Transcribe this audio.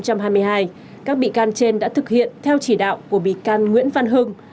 các bị can trên đã thực hiện theo chỉ đạo của bị can nguyễn văn hưng